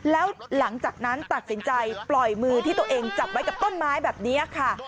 แล้วหลังจากนั้นตัดสินใจปล่อยมือที่ตัวเองจับไว้กับต้นไม้แบบนี้ค่ะ